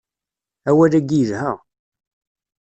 Awal-agi yelha.